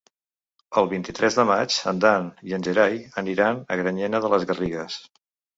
El vint-i-tres de maig en Dan i en Gerai aniran a Granyena de les Garrigues.